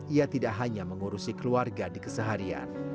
ia tidak hanya mengurusi keluarga di keseharian